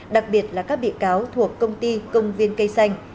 đặc biệt là các bị cáo thuộc công ty công viên cây xanh